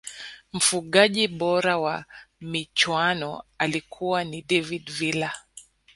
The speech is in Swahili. mfungaji bora wa michuano alikuwa ni david villa